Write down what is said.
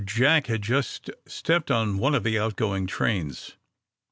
Jack had just stepped on one of the out going trains.